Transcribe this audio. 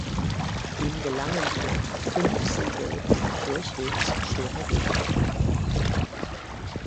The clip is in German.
Ihm gelangen dort fünf Siege über durchwegs schwere Gegner.